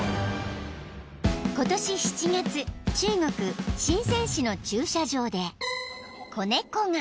［今年７月中国深市の駐車場で子猫が］